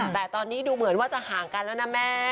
แต่ตอนนี้ดูเหมือนว่าจะห่างกันแล้วนะแม่